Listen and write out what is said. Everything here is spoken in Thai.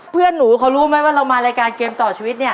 เพื่อนหนูเขารู้ไหมว่าเรามารายการเกมต่อชีวิตเนี่ย